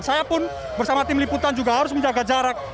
saya pun bersama tim liputan juga harus menjaga jarak